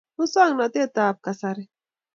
musong'notetab kasari